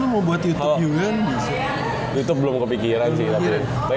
youtube belum kepikiran sih tapi